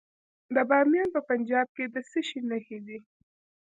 د بامیان په پنجاب کې د څه شي نښې دي؟